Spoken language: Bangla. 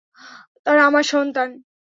তারা আমার সন্তান।